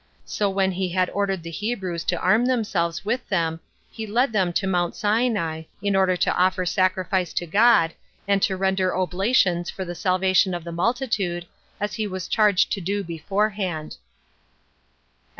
So when he had ordered the Hebrews to arm themselves with them, he led them to Mount Sinai, in order to offer sacrifice to God, and to render oblations for the salvation of the multitude, as he was charged to do beforehand.